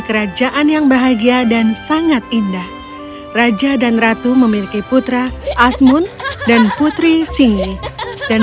kerajaan yang bahagia dan sangat indah raja dan ratu memiliki putra asmun dan putri singi dan